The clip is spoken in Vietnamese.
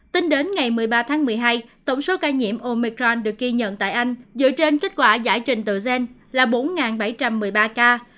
tính đến ngày một mươi ba tháng một mươi hai tổng số ca nhiễm omicron được ghi nhận tại anh dựa trên kết quả giải trình tự gen là bốn bảy trăm một mươi ba ca